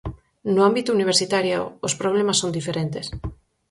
No ámbito universitario, os problemas son diferentes.